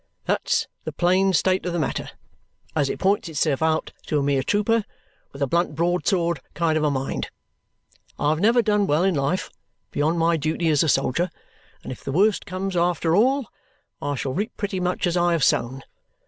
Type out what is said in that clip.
That's the plain state of the matter as it points itself out to a mere trooper with a blunt broadsword kind of a mind. I have never done well in life beyond my duty as a soldier, and if the worst comes after all, I shall reap pretty much as I have sown.